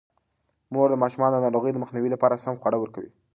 مور د ماشومانو د ناروغۍ د مخنیوي لپاره سم خواړه ورکوي.